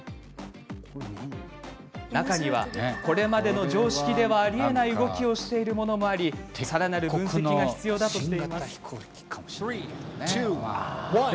中には、これまでの常識ではありえない動きをしているものもありさらなる分析が必要だとしています。